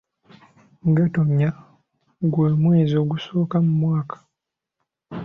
Gatonnya gwe mwezi ogusooka mu mwaka